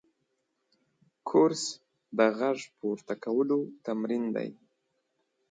کورس د غږ پورته کولو تمرین دی.